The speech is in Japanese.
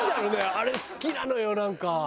あれ好きなのよなんか。